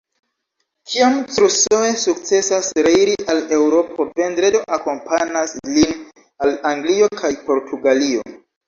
Kiam Crusoe sukcesas reiri al Eŭropo, Vendredo akompanas lin al Anglio kaj Portugalio.